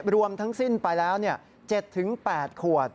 รวมทั้งสิ้นไปแล้ว๗๘ขวด